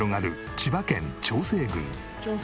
千葉県長生郡。